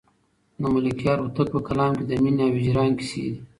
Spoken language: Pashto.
د ملکیار هوتک په کلام کې د مینې او هجران کیسې دي.